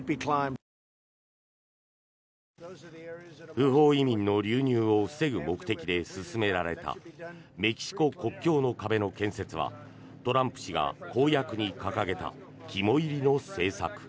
不法移民の流入を防ぐ目的で進められたメキシコ国境の壁の建設はトランプ氏が公約に掲げた肝煎りの政策。